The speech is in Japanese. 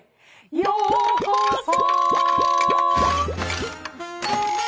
「ようこそ」